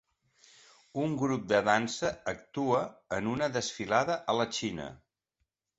Un grup de dansa actua en una desfilada a la Xina.